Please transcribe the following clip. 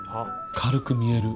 軽く見える。